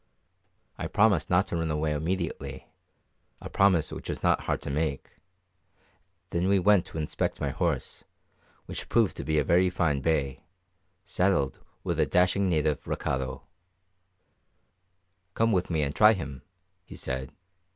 I promised him not to run away immediately, a promise which was not hard to make; then we went to inspect my horse, which proved to be a very fine bay, saddled with a dashing native recado. "Come with me and try him," he said.